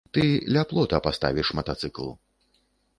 Ты ля плота паставіш матацыкл.